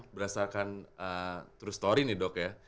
berdasarkan true story nih dok ya